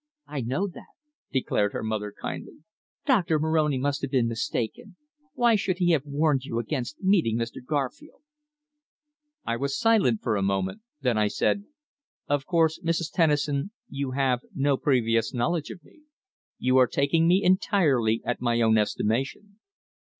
I know that," declared her mother kindly. "Doctor Moroni must have been mistaken. Why should he have warned you against meeting Mr. Garfield?" I was silent for a moment, then I said: "Of course, Mrs. Tennison, you have no previous knowledge of me. You are taking me entirely at my own estimation."